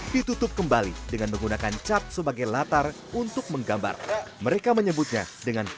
ditutup kembali dengan menggunakan cat sebagai latar untuk menggambar mereka menyebutnya dengan